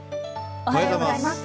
おはようございます。